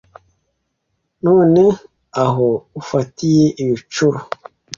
None aho ufatiye imicyuro